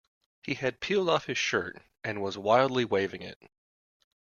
He had peeled off his shirt and was wildly waving it.